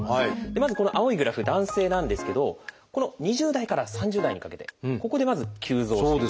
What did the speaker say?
まずこの青いグラフ男性なんですけどこの２０代から３０代にかけてここでまず急増している。